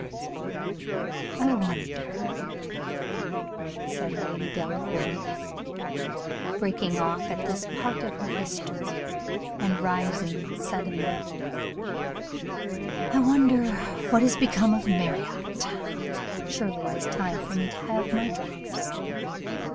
I wonder," said Lady Delacour, breaking off at this part of her history, and rising suddenly, "I wonder what is become of Marriott! surely it is time for me to have my drops.